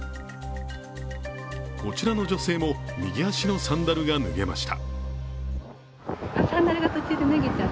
こちらの女性も、右足のサンダルが脱げました。